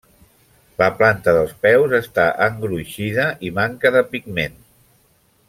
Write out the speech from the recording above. La planta dels peus està engruixida i manca de pigment.